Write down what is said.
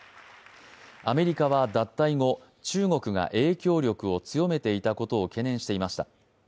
アメリカは脱退後、中国が影響力を強めていたことを懸念していました。